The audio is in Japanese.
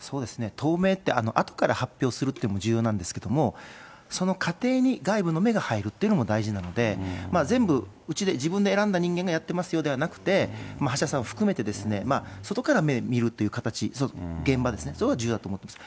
透明って、あとから発表するっていうのも重要なんですけども、その過程に外部の目が入るっていうのも大事なので、全部うちで、自分で選んだ人間がやってますよではなくて、橋田さんを含めて、外から見るという形、現場ですね、そこが重要だと思うんです。